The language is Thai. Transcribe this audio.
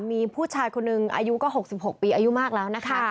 มีผู้ชายคนหนึ่งอายุก็๖๖ปีอายุมากแล้วนะคะ